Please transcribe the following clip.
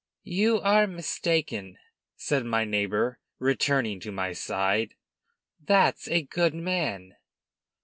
"You are mistaken," said my neighbor, returning to my side; "that's a good man."